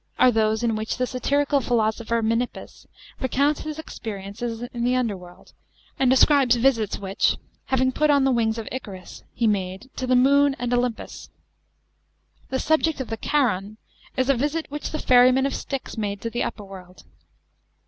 are those in which the satirical philosopher Menippus recounts his experiences in the under world and describes visits which, having put on the wings of Icarus, he made to the moon and Olympus. i he subject of the Charon is a visit which the ferryman of Styx made to the upper world.